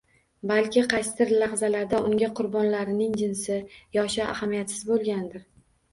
Balki qaysidir lahzalarda unga qurbonlarining jinsi, yoshi ahamiyatsiz bo`lgandir